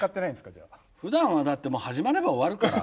じゃあ。ふだんはだって始まれば終わるから。